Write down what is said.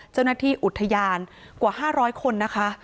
เจ้าหน้าที่อุทยานกว่า๕๐๐คนนะคะ